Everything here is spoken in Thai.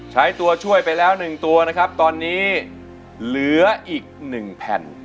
ใช้ตัวช่วยไปแล้ว๑ตัวนะครับตอนนี้เหลืออีก๑แผ่น